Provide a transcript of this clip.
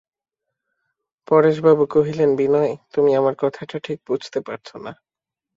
পরেশবাবু কহিলেন, বিনয়, তুমি আমার কথাটা ঠিক বুঝতে পারছ না।